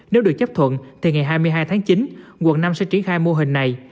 nếu được chấp thuận thì ngày hai mươi hai tháng chín quận năm sẽ triển khai mô hình này